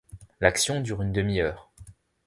L'action dure une demi-heure.